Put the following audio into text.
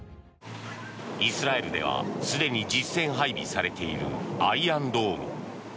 イスラエルではすでに実戦配備されているアイアンドーム。